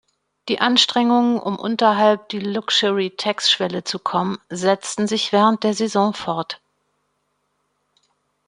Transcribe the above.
Die Anstrengungen, um unterhalb die Luxury-Tax-Schwelle zu kommen, setzten sich während der Saison fort.